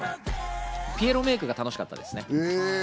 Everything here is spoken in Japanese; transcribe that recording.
ピエロメイクが楽しかったですね。